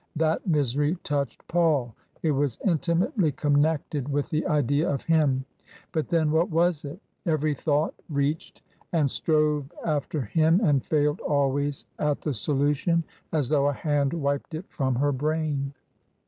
That misery touched Paul, it was intimately TRANSITION. 303 connected with the idea of him ; but then, what was it ? Every thought reached and strove after him and failed always at the solution — as though a hand wiped it from her brain.